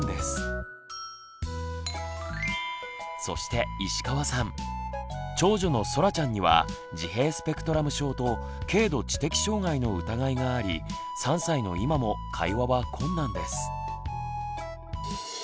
そして長女のそらちゃんには自閉スペクトラム症と軽度知的障害の疑いがあり３歳の今も会話は困難です。